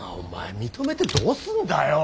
認めてどうすんだよ。